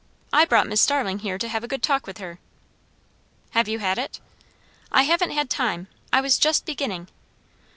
I brought Miss Starling here to have a good talk with her." "Have you had it?" "I haven't had time. I was just beginning."